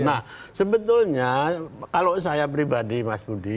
nah sebetulnya kalau saya pribadi mas budi